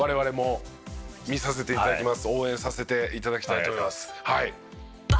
応援させて頂きたいと思います。